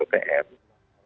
di mana sekitar setengah bulan